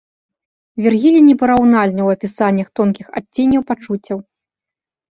Вергілій непараўнальны ў апісаннях тонкіх адценняў пачуццяў.